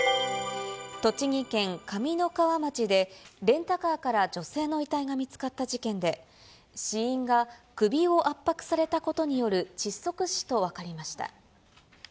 栃木県上三川町で、レンタカーから女性の遺体が見つかった事件で、死因が首を圧迫されたことによる窒息死と分かりました。